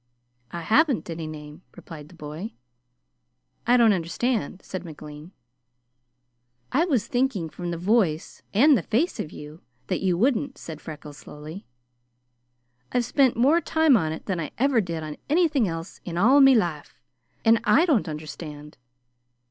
"I haven't any name," replied the boy. "I don't understand," said McLean. "I was thinking from the voice and the face of you that you wouldn't," said Freckles slowly. "I've spent more time on it than I ever did on anything else in all me life, and I don't understand.